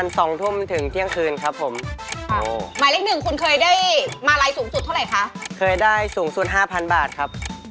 รองให้ฟังหน่อยได้ไหมคะ